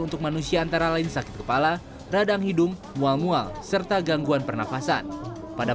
untuk manusia antara lain sakit kepala radang hidung mual mual serta gangguan pernafasan pada